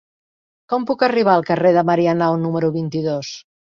Com puc arribar al carrer de Marianao número vint-i-dos?